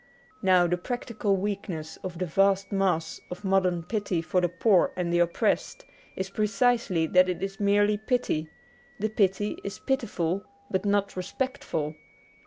Now, the practical weakness of the vast mass of modern pity for the poor and the oppressed is precisely that it is merely pity ; the pity is pitiful, but not respectful.